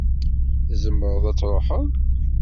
Tzemreḍ ad truḥeḍ.